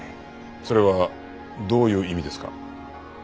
それはどういう意味ですか？